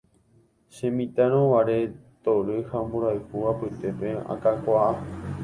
Chemitãrõguare tory ha mborayhu apytépe akakuaa.